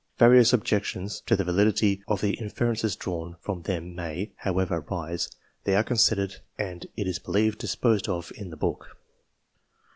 Various objections to the validity of the inferences drawn from them may, how ever, arise ; they are considered, and, it is believed, disposed of, in the book.